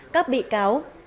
các bị cáo